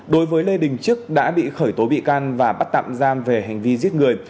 đối với lê đình trức đã bị khởi tố bị can và bắt tạm giam về hành vi giết người